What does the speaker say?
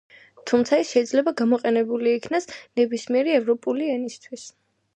თუმცა ის შეიძლება გამოყენებულ იქნას ნებისმიერი ევროპული ენისთვის.